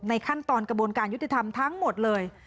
ขั้นตอนกระบวนการยุติธรรมทั้งหมดเลย